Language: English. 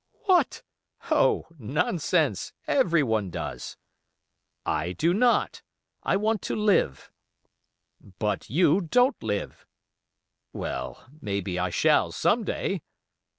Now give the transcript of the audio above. "What! Oh! nonsense. Everyone does." "I do not. I want to live." "But you don't live." "Well, maybe I shall some day."